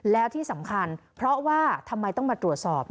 แล้วที่สำคัญเพราะว่าทำไมต้องมาตรวจสอบ